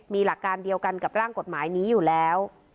มีหลักการเดียวกันกับร่างกฎหมายนี้อยู่แล้ว